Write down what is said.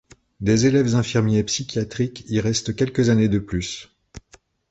Des élèves-infirmiers psychiatriques y restent quelques années de plus.